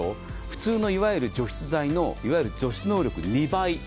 普通のいわゆる除湿剤のいわゆる除湿能力２倍。